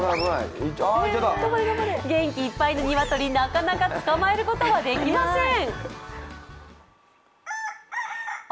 元気いっぱいのにわとり、なかなか捕まえることはできません。